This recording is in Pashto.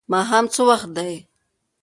ماښام څه وخت دی؟